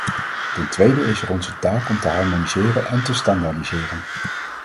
Ten tweede is er onze taak om te harmoniseren en te standaardiseren.